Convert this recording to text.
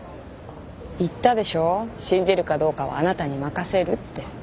言ったでしょ信じるかどうかはあなたに任せるって。